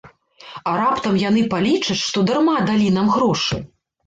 А раптам яны палічаць, што дарма далі нам грошы?